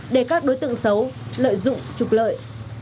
để các đối tượng xấu lợi dụng trục lợi